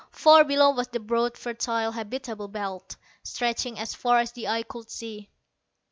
Far below was the broad fertile habitable belt, stretching as far as the eye could see.